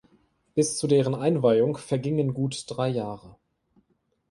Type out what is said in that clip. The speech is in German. Bis zu deren Einweihung vergingen gut drei Jahre.